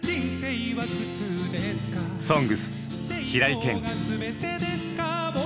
「ＳＯＮＧＳ」平井堅。